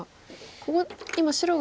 ここ今白が。